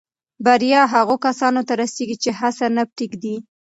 بریا هغو کسانو ته رسېږي چې هڅه نه پرېږدي.